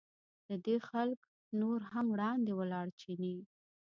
له دې خلکو لږ نور هم وړاندې ولاړ چیني.